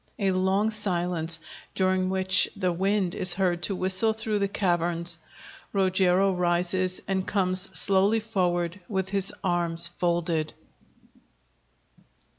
A long silence, during which the wind is heard to whistle through the caverns._ Rogero _rises, and comes slowly forward, with his arms folded.